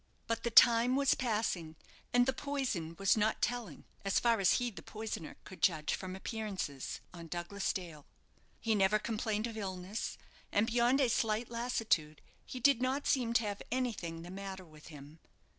But the time was passing, and the poison was not telling, as far as he, the poisoner, could judge from appearances, on Douglas Dale. He never complained of illness, and beyond a slight lassitude, he did not seem to have anything the matter with him.